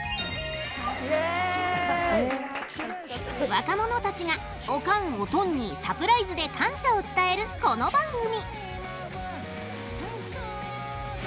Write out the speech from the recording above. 若者たちがオカンオトンにサプライズで感謝を伝えるこの番組。